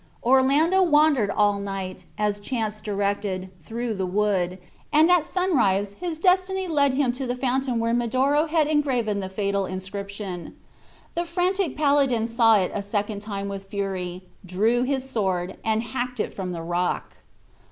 Orlando wandered all night, as chance directed, through the wood, and at sunrise his destiny led him to the fountain where Medoro had engraved the fatal inscription. The frantic paladin saw it a second time with fury, drew his sword, and hacked it from the rock.